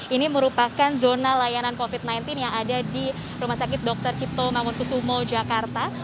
ini merupakan zona layanan covid sembilan belas yang ada di rumah sakit dr cipto mangunkusumo jakarta